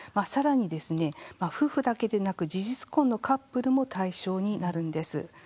さらに、夫婦だけでなく事実婚のカップルも対象になるんです。